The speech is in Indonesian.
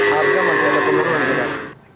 harga masih ada pengaruhnya